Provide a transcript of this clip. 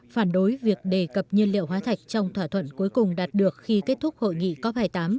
phản đối việc đề cập nhiên liệu hóa thạch trong thỏa thuận cuối cùng đạt được khi kết thúc hội nghị cop hai mươi tám